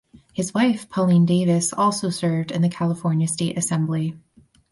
He wife Pauline Davis also served in the California State Assembly.